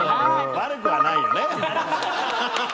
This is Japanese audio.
悪くはないよね。